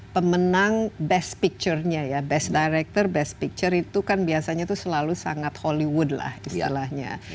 pemenang best picture nya ya best director best picture itu kan biasanya itu selalu sangat hollywood lah istilahnya